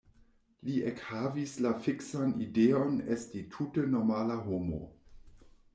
Li ekhavis la fiksan ideon esti tute normala homo.